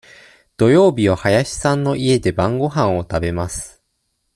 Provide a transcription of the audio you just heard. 土曜日は林さんの家で晩ごはんを食べます。